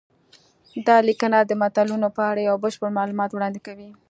دا لیکنه د متلونو په اړه یو بشپړ معلومات وړاندې کوي